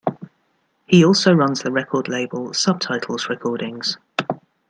He also runs the record label Subtitles Recordings.